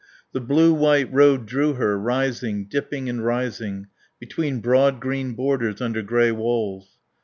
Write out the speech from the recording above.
The blue white road drew her, rising, dipping and rising; between broad green borders under grey walls.